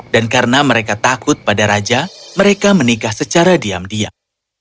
dan karena mereka takut pada raja mereka menikah secara diam diam